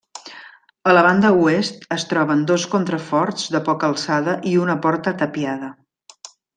A la banda oest es troben dos contraforts de poca alçada i una porta tapiada.